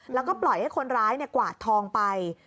แล้วก็ปล่อยให้คนร้ายกวาดทองไป